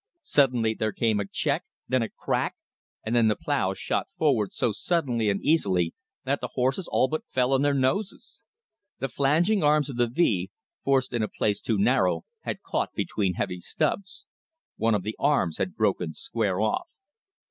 Suddenly there came a check, then a CRACK, and then the plow shot forward so suddenly and easily that the horses all but fell on their noses. The flanging arms of the V, forced in a place too narrow, had caught between heavy stubs. One of the arms had broken square off.